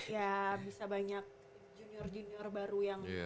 ya bisa banyak junior junior baru yang